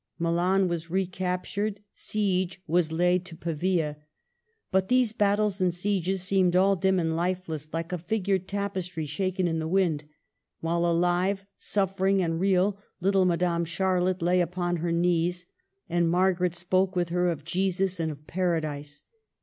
Milan was recaptured. SEQUELS. 77 siege laid to Pavia. But these battles and sieges seemed all dim and lifeless, like a figured tapes try shaken in the wind ; while, alive, suffering and real, little Madame Charlotte lay upon her knees, and Margaret spoke with her of Jesus and of Paradise.